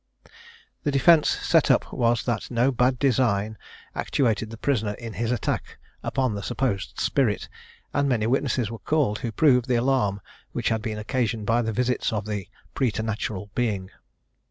The defence set up was that no bad design actuated the prisoner in his attack upon the supposed spirit, and many witnesses were called, who proved the alarm which had been occasioned by the visits of a preternatural being.